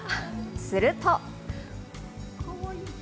すると。